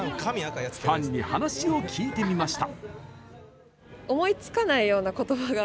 ファンに話を聞いてみました。